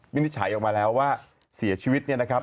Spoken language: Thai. นิจฉัยออกมาแล้วว่าเสียชีวิตเนี่ยนะครับ